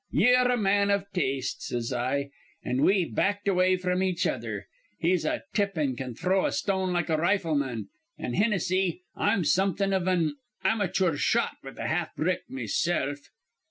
'Ye're a man iv taste,' says I. An' we backed away fr'm each other. He's a Tip, an' can throw a stone like a rifleman; an', Hinnissy, I'm somethin' iv an amachoor shot with a half brick mesilf.